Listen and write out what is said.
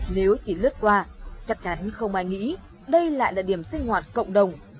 nếu chỉ lướt qua chắc chắn không ai nghĩ đây lại là điểm sinh hoạt cộng đồng